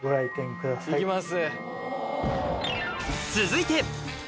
行きます。